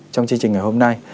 trong chương trình ngày hôm nay